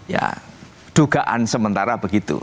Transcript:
ya dugaan sementara begitu